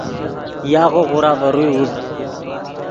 یاغو غورا ڤے روئے اوزد